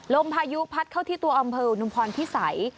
พายุพัดเข้าที่ตัวอำเภออุทุมพรพิสัย